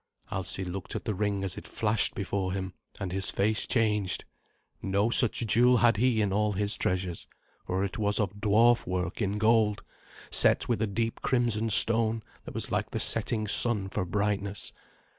Alsi looked at the ring as it flashed before him, and his face changed. No such jewel had he in all his treasures, for it was of dwarf work in gold, set with a deep crimson stone that was like the setting sun for brightness.